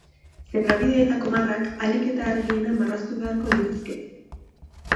Zebrabideetako marrak ahalik eta argiena marraztu beharko lituzkete.